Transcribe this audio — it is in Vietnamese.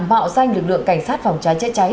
mạo danh lực lượng cảnh sát phòng cháy chữa cháy